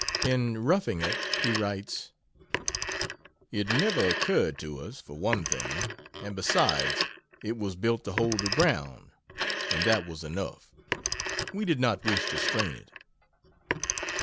In 'Roughing It' he writes, "It never occurred to us, for one thing; and, besides, it was built to hold the ground, and that was enough. We did not wish to strain it."